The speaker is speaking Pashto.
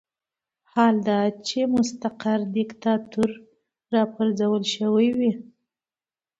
حال دا چې مستقر دیکتاتور راپرځول شوی وي.